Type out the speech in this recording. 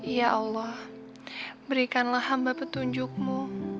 ya allah berikanlah hamba petunjukmu